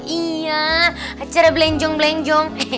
iya acara belenjong belenjong